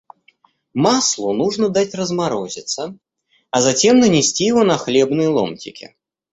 Маслу нужно дать разморозиться, а затем нанести его на хлебные ломтики.